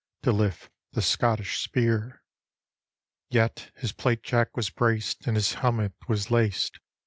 To lift the Scottish spear. Yet his plate jack was braced, and his helmet was laced.